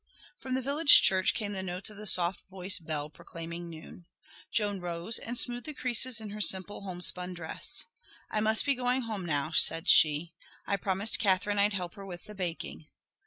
From the village church came the notes of the soft voiced bell proclaiming noon. Joan rose and smoothed the creases in her simple homespun dress. "I must be going home now," said she. "I promised Catherine I'd help her with the baking.